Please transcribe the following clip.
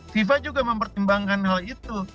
fifa juga mempertimbangkan hal itu